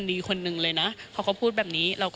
อ่าเดี๋ยวฟองดูนะครับไม่เคยพูดนะครับ